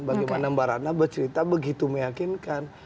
bagaimana mbak ratna bercerita begitu meyakinkan